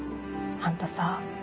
あんたさ